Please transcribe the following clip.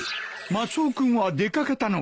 マスオ君は出掛けたのか。